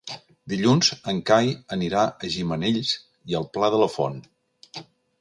Dilluns en Cai anirà a Gimenells i el Pla de la Font.